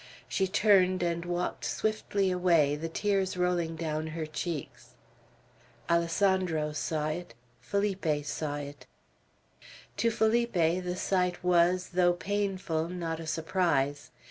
She turned, and walked swiftly away, the tears rolling down her cheeks. Alessandro saw it; Felipe saw it. To Felipe the sight was, though painful, not a surprise.